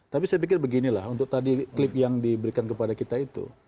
tapi saya pikir beginilah untuk tadi klip yang diberikan kepada kita itu